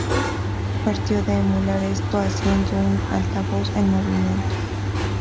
Partió de emular esto haciendo un altavoz en movimiento.